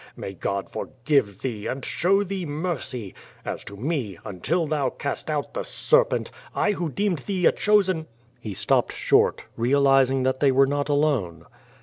May God, forgive thee, and show thee mercy! As to me, until thou cast out the serpent, I who deemed thee a chosen —" He stopped short, realizing that they were not alone.